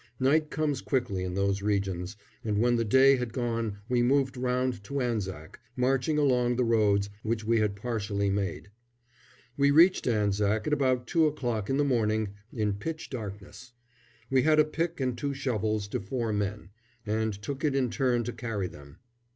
Night comes quickly in those regions, and when the day had gone we moved round to Anzac, marching along the roads which we had partially made. We reached Anzac at about two o'clock in the morning, in pitch darkness. We had a pick and two shovels to four men, and took it in turn to carry them.